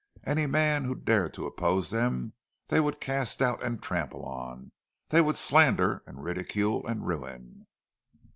Any man who dared to oppose them, they would cast out and trample on, they would slander and ridicule and ruin.